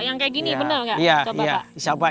yang kayak gini bener gak